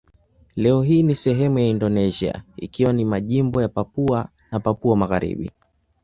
Leo hii ni sehemu ya Indonesia ikiwa ni majimbo ya Papua na Papua Magharibi.